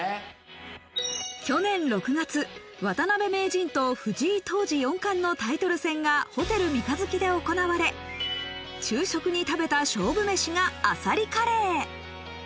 去年６月、渡辺名人と藤井当時四冠のタイトル戦がホテル三日月で行われ、昼食に食べた勝負飯が、あさりカレー。